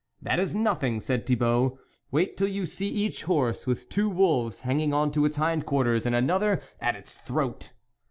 " That is nothing," said Thibault, " wait till you see each horse with two wolves hanging on to its hind quarters and another at its throat."